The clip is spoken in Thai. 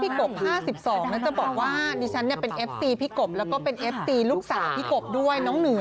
เพี๊กบห้าสิบสองน่ะจะบอกว่านี่ฉันเป็นเอฟซีเพี๊กบแล้วก็เป็นเอฟซีลูกสาวเพี๊กบด้วย